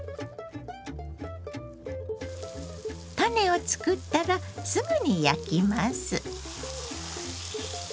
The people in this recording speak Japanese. タネを作ったらすぐに焼きます。